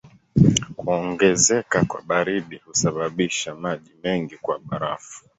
Kuongezeka kwa baridi husababisha maji mengi kuwa barafu.